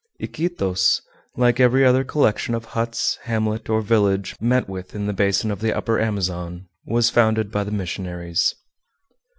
Iquitos, like every other collection of huts, hamlet, or village met with in the basin of the Upper Amazon, was founded by the missionaries.